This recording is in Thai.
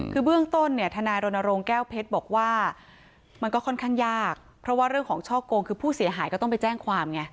คือเบื้องต้นเนี่ยทนายรณรงค์แก้วเพชรบอกว่ามันก็ค่อนข้างยากเพราะว่าเรื่องของช่อโกงคือผู้เสียหายก็ต้องไปแจ้งความไง